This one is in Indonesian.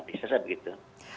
saya rasa begitu